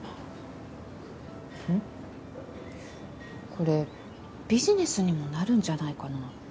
これビジネスにもなるんじゃないかな。